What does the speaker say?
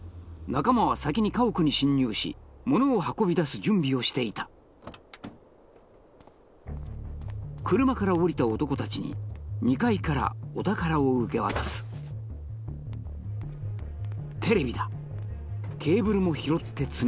仲間は先に家屋に侵入し物を運び出す準備をしていた車から降りた男たちに２階からお宝を受け渡すテレビだゲーブルも拾って積み込む